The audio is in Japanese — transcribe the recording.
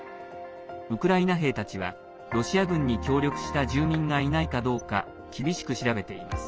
ウクライナ兵たちは、ロシア軍に協力した住民がいないかどうか厳しく調べています。